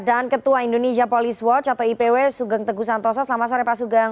dan ketua indonesia police watch atau ipw sugeng teguh santosa selamat sore pak sugeng